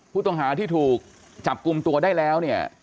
ผู้ต้องหาที่ถูกจับกลุ่มตัวได้แล้วเนี่ย